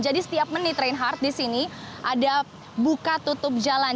jadi setiap menit reinhardt di sini ada buka tutup jalan